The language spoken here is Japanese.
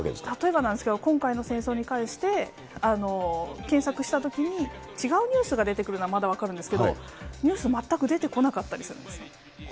例えばなんですけど、今回の戦争に関して、検索したときに、違うニュースが出てくるのはまだ分かるんですけど、ニュース全く出てこなかったりするんですね。